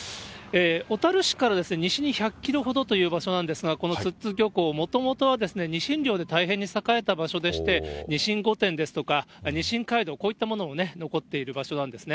小樽市から西に１００キロほどという場所なんですが、この寿都漁港、もともとはニシン漁で大変に栄えた場所でして、ニシン御殿ですとか、ニシン街道、こういったものも残っている場所なんですね。